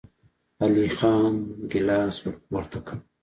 علی خان ګيلاس ور پورته کړ.